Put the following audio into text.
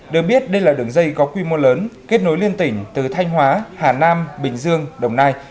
được biết đây là đường dây có quy mô lớn kết nối liên tỉnh từ thanh hóa hà nam bình dương đồng nai